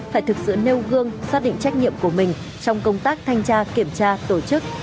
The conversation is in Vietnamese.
phải thực sự nêu gương xác định trách nhiệm của mình trong công tác thanh tra kiểm tra tổ chức